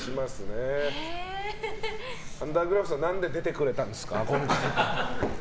アンダーグラフさん何で出てくれたんですか？